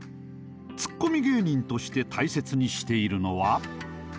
ツッコミ芸人として大切にしているのは？